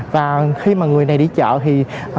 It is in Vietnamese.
và khi mà người này đi chợ thì